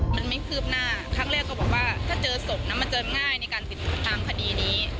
มันไม่คืบหน้าครั้งแรกก็บอกว่าถ้าเจอศพนะมันเจอง่ายในการติดตามคดีนี้